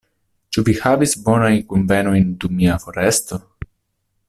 Ĉu vi havis bonajn kunvenojn dum mia foresto?